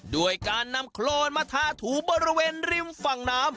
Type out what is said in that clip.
ด้วยการนำโครนมาทาถูบริเวณริมฝั่งน้ำ